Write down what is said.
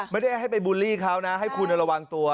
ไม่ได้ให้ไปบูลลี่เขานะให้คุณระวังตัว